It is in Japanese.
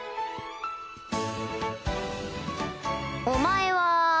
お前は。